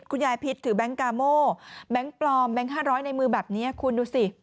พิษถือแบงค์กาโม่แบงค์ปลอมแบงค์๕๐๐ในมือแบบนี้คุณดูสิ